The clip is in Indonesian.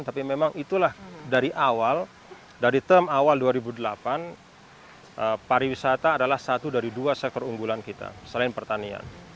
tapi memang itulah dari awal dari term awal dua ribu delapan pariwisata adalah satu dari dua sektor unggulan kita selain pertanian